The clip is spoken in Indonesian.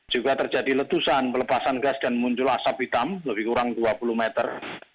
juga terjadi letusan pelepasan gas dan muncul asap hitam lebih kurang dua puluh meter